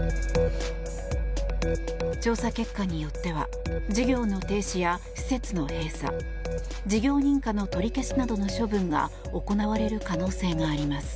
調査結果によっては事業の停止や施設の閉鎖事業認可の取り消しなどの処分が行われる可能性があります。